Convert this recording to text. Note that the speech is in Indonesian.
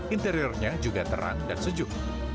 interiornya juga terang dan sejuk